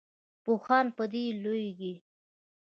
پوهان په دې لویږي.